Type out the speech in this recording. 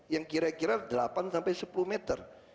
yang kira kira delapan sampai sepuluh meter